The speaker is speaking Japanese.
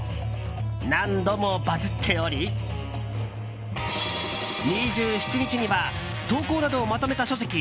何度もバズっており、２７日には投稿などをまとめた書籍